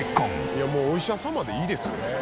いやもう「お医者様」でいいですよ。